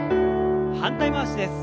反対回しです。